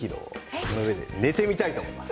この上で寝てみたいと思います。